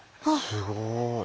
すごい。